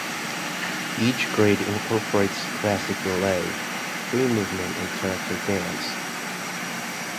Each grade incorporates classical ballet, free movement and character dance.